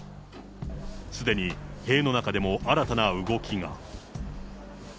すでに塀の中でも新たな動きが。